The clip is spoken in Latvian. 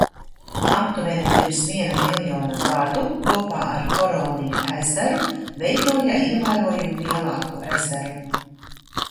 Aptuveni pirms viena miljona gadu kopā ar Koronija ezeru veidoja ievērojami lielāku ezeru.